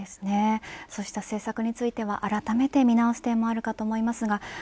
そうした政策についてはあらためて見直す点もあるかと思います。